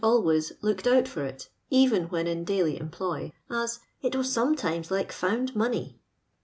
wA>> looked out for it, even when in diaily emplor, as *' it was sometimes like found money."